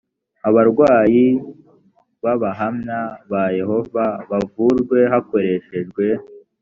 abarwayi b abahamya ba yehova bavurwe hakoreshejwe